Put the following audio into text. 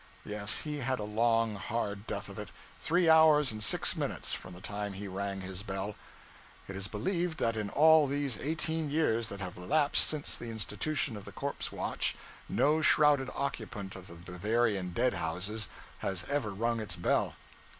Yes, he had a long, hard death of it three hours and six minutes, from the time he rang his bell. It is believed that in all these eighteen years that have elapsed since the institution of the corpse watch, no shrouded occupant of the Bavarian dead houses has ever rung its bell.